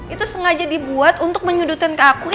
itu sengaja dibuat untuk menyudut ke aku kayak begini